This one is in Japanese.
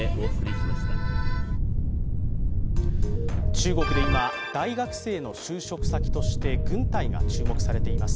中国で今大学生の就職先として軍隊が注目されています。